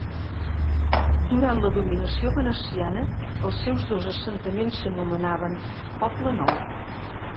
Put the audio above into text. Durant la dominació veneciana els seus dos assentaments s'anomenaven "Poble Nou".